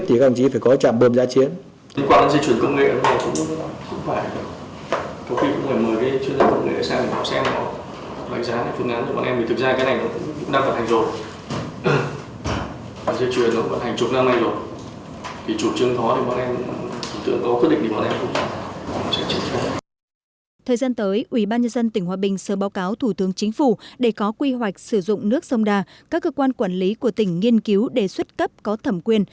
yêu cầu công ty có quy hoạch sử dụng nước sông đà các cơ quan quản lý của tỉnh nghiên cứu đề xuất cấp có thẩm quyền